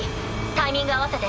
タイミング合わせて。